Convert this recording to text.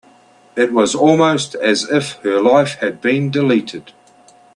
It was almost as if her life had been deleted.